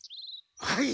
はい。